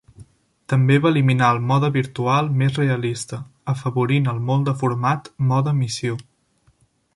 També va eliminar el "Mode Virtual" més realista, afavorint el molt deformat "Mode Missió".